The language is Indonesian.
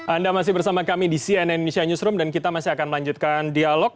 anda masih bersama kami di cnn indonesia newsroom dan kita masih akan melanjutkan dialog